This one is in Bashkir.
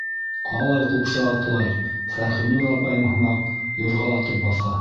— Ҡалай ҡупшы атлай, Фәрхинур апайым һымаҡ, юрғалатып баҫа.